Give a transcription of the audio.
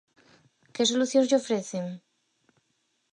Que solucións lle ofrecen?